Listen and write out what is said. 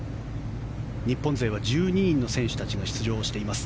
日本勢は１２人の選手たちが出場しています。